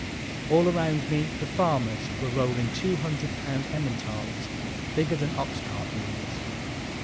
All around me the farmers were rolling two hundred pound Emmentalers, bigger than oxcart wheels.